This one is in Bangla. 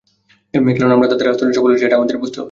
কেন আমরা তাদের আস্থা অর্জনে সফল হইনি, সেটাই আমাদের বুঝতে হবে।